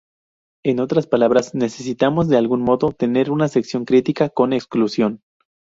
En otras palabras necesitamos de algún modo tener una sección crítica con exclusión.